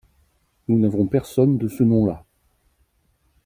Nous n’avons personne de ce nom-là.